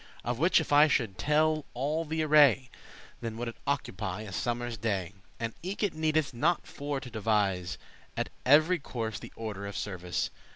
* *like Of which if I should tell all the array, Then would it occupy a summer's day; And eke it needeth not for to devise* *describe At every course the order of service.